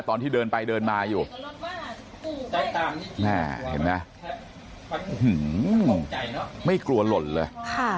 ตอนที่เดินไปเดินมาอยู่แม่เห็นไหมไม่กลัวหล่นเลย